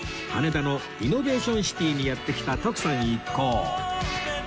羽田のイノベーションシティにやって来た徳さん一行